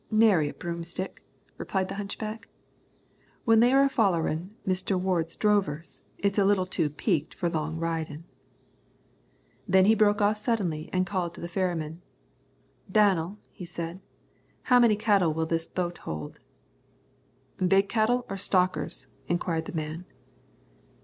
"Nary a broomstick," replied the hunchback. "When they are a follerin' Mister Ward's drovers, it's a little too peaked for long ridin'." Then he broke off suddenly and called to the ferryman. "Danel," he said, "how many cattle will this boat hold?" "Big cattle or stockers?" inquired the man.